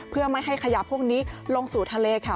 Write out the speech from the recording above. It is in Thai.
เพื่อไม่ให้ขยะพวกนี้ลงสู่ทะเลค่ะ